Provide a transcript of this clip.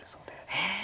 へえ。